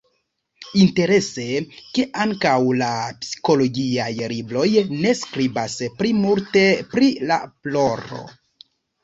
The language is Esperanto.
Interese, ke ankaŭ la psikologiaj libroj ne skribas pli multe pri la ploro.